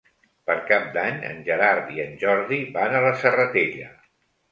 Per Cap d'Any en Gerard i en Jordi van a la Serratella.